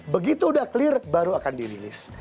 begitu sudah clear baru akan dirilis